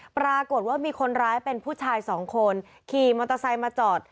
ปรากฏว่ามีคนร้ายเป็นผู้ชายสองคนขี่มอเตอร์ไซค์มาจอด